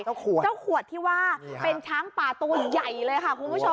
เจ้าขวดที่ว่าเป็นช้างป่าตัวใหญ่เลยค่ะคุณผู้ชม